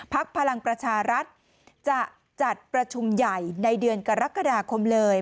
พลังประชารัฐจะจัดประชุมใหญ่ในเดือนกรกฎาคมเลย